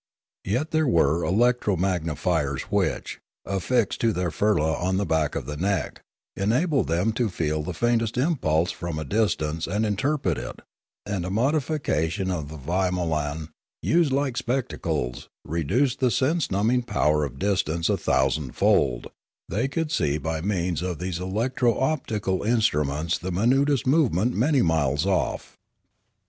Yet there were electro magnifiers which, affixed to 138 Limanora their firla on the back of the neck, enabled them to feel the faintest impulse from a distance and interpret it, and a modification of the vimolan, used like spec tacles, reduced the sense numbing power of distance a thousand fold ; they could see by means of these electro optical instruments the minutest movement many miles off.